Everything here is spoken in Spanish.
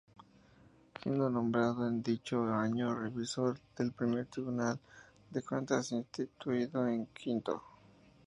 Siendo nombrado, en dicho año, Revisor, del Primer Tribunal de Cuentas instituido en Quito.